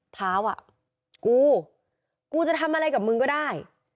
เท้าอ่ะกูกูจะทำอะไรกับมึงก็ได้